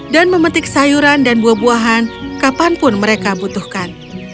dan memetik sayuran dan buah buahan kapanpun mereka butuhkan